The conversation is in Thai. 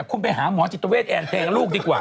คุณไปหาหมอจิตเวทแอนเพลงลูกดีกว่า